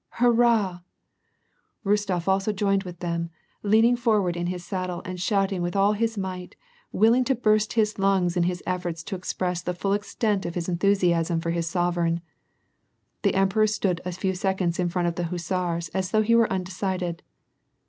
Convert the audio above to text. hurrah !'^ Rostof also joined with them, leaning forward in his saddle and shouting with all his might, willing to burst his lungs in his efforts to express the full extent of his enthusiasm for his sovereign. The emperor stood a few seconds in front of the hussars as though he were undecided.